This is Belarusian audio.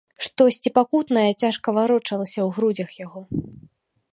Штосьці пакутнае цяжка варочалася ў грудзях яго.